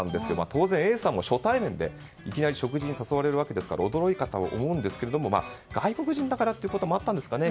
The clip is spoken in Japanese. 当然Ａさんも初対面でいきなり食事に誘われるわけですから驚いたと思うんですけれども外国人だからということもあったんですかね。